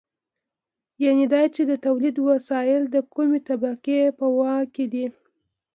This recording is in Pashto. یانې دا چې د تولید وسایل د کومې طبقې په واک کې دي.